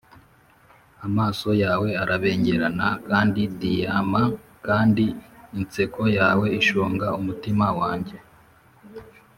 amaso yawe arabengerana nka diyama kandi inseko yawe ishonga umutima wanjye